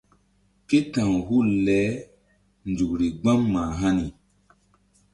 Ké ta̧w hul le nzukri gbam mah hani.